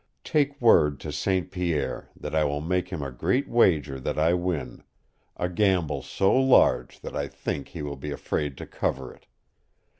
Take word to St. Pierre that I will make him a great wager that I win, a gamble so large that I think he will be afraid to cover it.